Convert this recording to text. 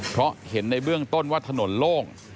เพราะเห็นในเบื้องต้นว่าถนนโล่ง